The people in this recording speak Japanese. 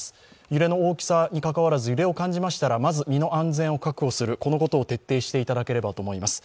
揺れの大きさにかかわらず揺れを感じましたらまず身の安全を確保する、このことを徹底していただければと思います。